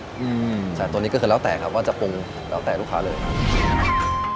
อืมใช่ตัวนี้ก็คือแล้วแต่ครับว่าจะปรุงแล้วแต่ลูกค้าเลยครับ